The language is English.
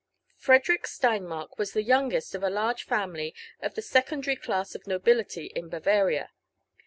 I Frederick Stemmark was the youngest of a large family of the se /condary class of nobility in Bavaria.